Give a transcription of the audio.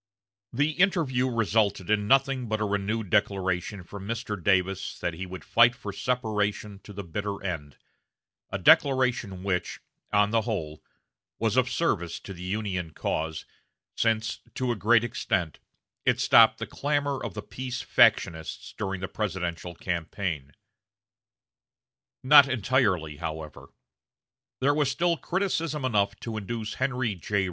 The interview resulted in nothing but a renewed declaration from Mr. Davis that he would fight for separation to the bitter end a declaration which, on the whole, was of service to the Union cause, since, to a great extent, it stopped the clamor of the peace factionists during the presidential campaign. Not entirely, however. There was still criticism enough to induce Henry J.